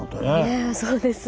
ええそうですね。